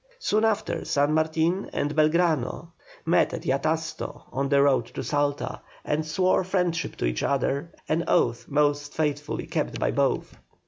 Soon after San Martin and Belgrano met at Yatasto on the road to Salta, and swore friendship to each other, an oath most faithfully kept by both.